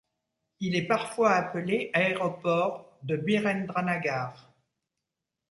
Il est parfois appelé aéroport de Birendranagar.